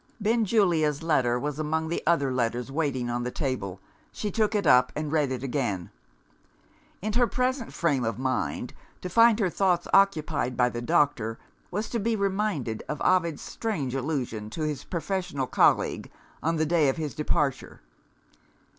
Benjulia's letter was among the other letters waiting on the table. She took it up, and read it again. In her present frame of mind, to find her thoughts occupied by the doctor, was to be reminded of Ovid's strange allusion to his professional colleague, on the day of his departure.